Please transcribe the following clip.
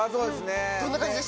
どんな感じでした？